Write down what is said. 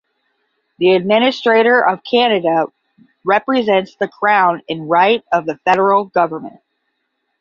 The administrator of Canada represents the Crown in right of the federal government.